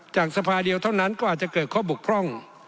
สภาเดียวเท่านั้นก็อาจจะเกิดข้อบกพร่อง